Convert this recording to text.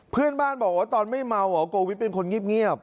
เพื่อนบ้านบอกว่าตอนไม่เมาหมอโกวิทย์เป็นคนเงียบ